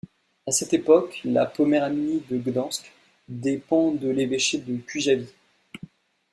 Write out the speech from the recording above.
À cette époque, la Poméranie de Gdańsk dépend de l’évêché de Cujavie.